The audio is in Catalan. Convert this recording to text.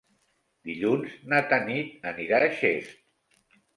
Dilluns na Tanit anirà a Xest.